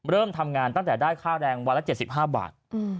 เริ่มทำงานตั้งแต่ได้ค่าแรงวันละ๗๕บาท